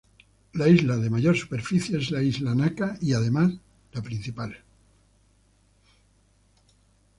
La isla de mayor superficie es la Isla Naka y es además, la principal.